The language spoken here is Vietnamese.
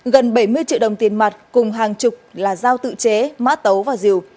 gần bảy mươi triệu đồng tiền mặt cùng hàng chục là dao tự chế mã tấu và rìu